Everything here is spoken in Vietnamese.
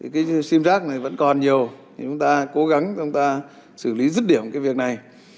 cái sim rác này vẫn còn nhiều thì chúng ta cố gắng chúng ta xử lý rứt điểm cái việc này